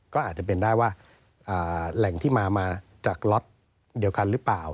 ก็อาจจะเป็นได้ว่าแหล่งที่มามาจากล็อตเดียวกันหรือเปล่า